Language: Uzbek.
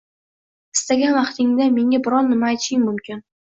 Istagan vaqtingda menga biron nima aytishing mumkin.